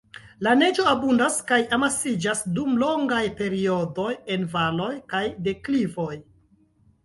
La neĝo abundas kaj amasiĝas dum longaj periodoj en valoj kaj deklivoj.